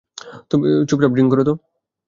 চুপচাপ ড্রিংক করো তো!